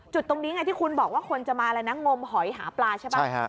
จุดตรงนี้สิเง่นที่คุณบอกว่าคนจะมาแบบงมหอยหาปลาใช่หรือเปล่า